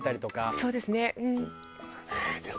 そうですねうん。